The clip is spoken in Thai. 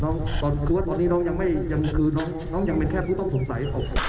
คือว่าตอนนี้น้องยังไม่ยังคือน้องยังเป็นแค่ผู้ต้องสงสัย